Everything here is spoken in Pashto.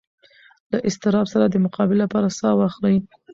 له اضطراب سره د مقابلې لپاره ساه واخلئ.